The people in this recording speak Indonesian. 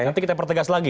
nanti kita pertegas lagi